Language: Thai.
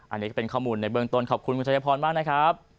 อันนี้ก็เป็นข้อมูลในเบื้องต้นขอบคุณคุณชายพรมากนะครับ